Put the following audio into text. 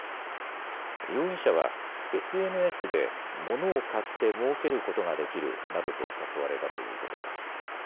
容疑者はＳＮＳで物を買ってもうけることができるなどと誘われたということです。